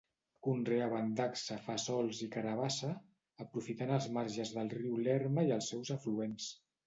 Conreaven dacsa, fesols i carabassa, aprofitant els marges del riu Lerma i els seus afluents.